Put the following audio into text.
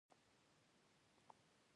ډېریو ته د لوستلو حوصله پاتې نه ده.